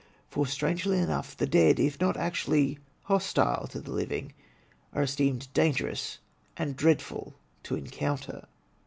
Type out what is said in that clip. For, strangely enough, the dead, if not actually hostile to the living, are esteemed dangerous and dreadful to encounter.